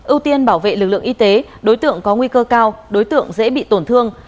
ưu tiên bảo vệ lực lượng y tế đối tượng có nguy cơ cao đối tượng dễ bị tổn thương